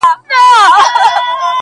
قصیدو ته ځان تیار کړ شاعرانو!!